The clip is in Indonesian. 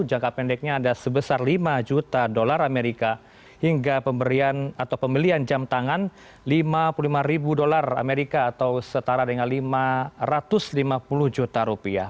jangka pendeknya ada sebesar lima juta dolar amerika hingga pembelian jam tangan lima puluh lima ribu dolar amerika atau setara dengan lima ratus lima puluh juta rupiah